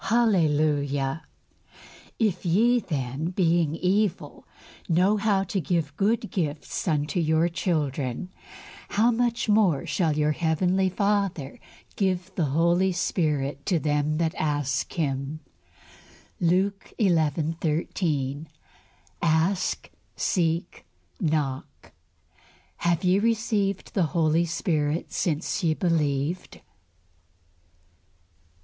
Hallelujah! "If ye then, being evil, know how to give good gifts unto your children, how much more shall your Heavenly Father give the Holy Spirit to them that ask Him" (Luke xi. 13). "Ask,... seek,... knock." "HAVE YE RECEIVED THE HOLY GHOST SINCE YE BELIEVED?"